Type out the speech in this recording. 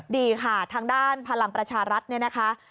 ดีค่ะทางด้านพลังประชารัฐเนี่ยนะคะ